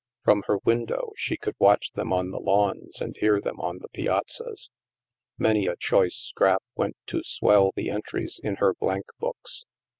From her window she could watch them on the lawns and hear them on the piazzas. Many a choice scrap went to swell the entries in her blank books.